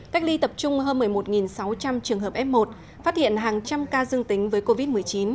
cách ly tập trung hơn một mươi một sáu trăm linh trường hợp f một phát hiện hàng trăm ca dương tính với covid một mươi chín